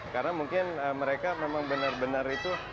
karena mungkin mereka memang benar benar itu